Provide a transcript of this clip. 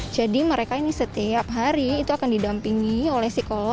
mereka ini setiap hari itu akan didampingi oleh psikolog